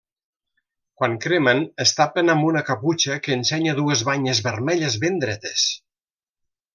Quan cremen es tapen amb una caputxa que ensenya dues banyes vermelles ben dretes.